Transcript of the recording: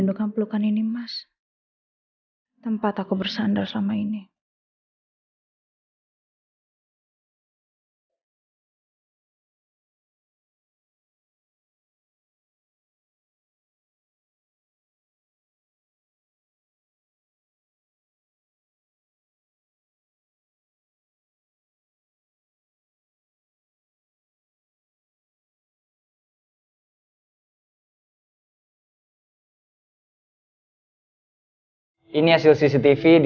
di sempit ini siapapun bisa mencari keadaan yang mensel stupid